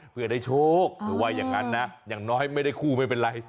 เพื่อได้โชคหรือว่าอย่างนั้นนะอย่างน้อยไม่ได้คู่ไม่เป็นไร